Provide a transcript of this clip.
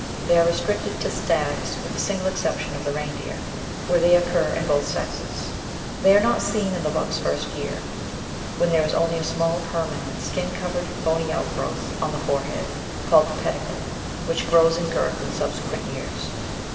They are restricted to stags with the single exception of the Reindeer, where they occur in both sexes. They are not seen in the buck's first year. Natural Histoiy 475 when there is only a small, permanent, skin covered, bony out growth on the forehead, called the pedicle, which grows in girth in subsequent years.